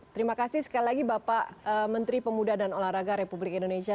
terima kasih sekali lagi bapak menteri pemuda dan olahraga republik indonesia